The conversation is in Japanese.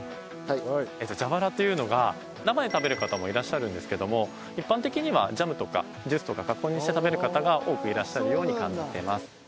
ジャバラというのが生で食べる方もいらっしゃるんですけども一般的にはジャムとかジュースとか加工品にして食べる方が多くいらっしゃるように感じてます。